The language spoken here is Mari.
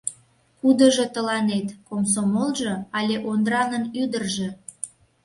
— Кудыжо тыланет: комсомолжо але Ондранын ӱдыржӧ?